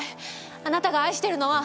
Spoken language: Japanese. あなたが愛してるのは。